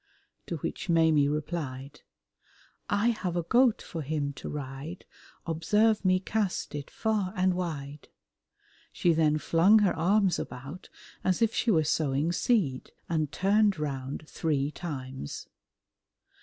To which Maimie replied, "I have a goat for him to ride, Observe me cast it far and wide." She then flung her arms about as if she were sowing seed, and turned round three times.